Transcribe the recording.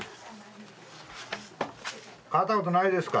変わったことないですか？